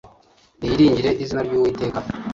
Niyiringire izina ryu witeka,